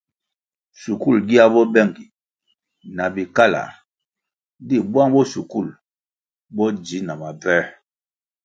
Shukul gia bo bengi na bikalar di bwang bo shukul bo dzi na mabvoē.